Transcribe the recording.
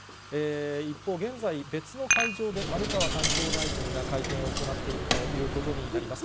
一方、現在、別の会場で丸川担当大臣が会見を行っているということになります。